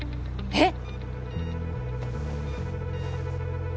えっ！？